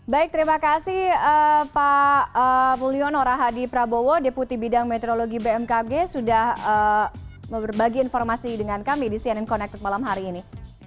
baik terima kasih pak mulyono rahadi prabowo deputi bidang meteorologi bmkg sudah berbagi informasi dengan kami di cnn connected malam hari ini